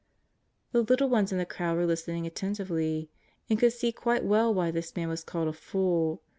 " The little ones in the crowd were listening attentively, and could see quite well why this man was called a fool.